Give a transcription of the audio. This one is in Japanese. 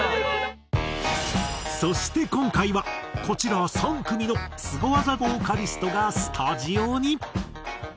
そして今回はこちら３組のスゴ技ボーカリストがスタジオに。